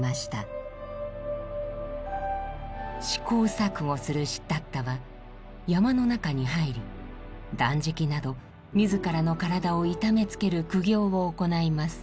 試行錯誤するシッダッタは山の中に入り断食など自らの体を痛めつける苦行を行います。